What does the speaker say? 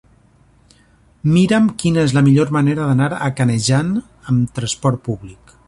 Mira'm quina és la millor manera d'anar a Canejan amb trasport públic.